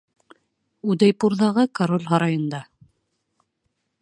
Удейпурҙағы король һарайында.